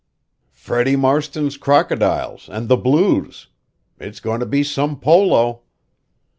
"Freddie Marston's Crocodiles and the Blues. It's going to be some polo."